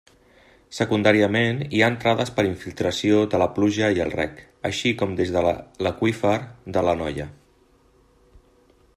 Secundàriament, hi ha entrades per infiltració de la pluja i el reg, així com des de l'aqüífer de l'Anoia.